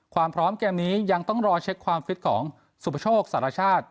ความพร้อมเกมนี้ยังต้องรอเช็คความฟิตของสุประโชคสารชาติ